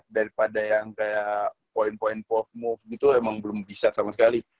daripada yang kayak poin poin pop move gitu emang belum bisa sama sekali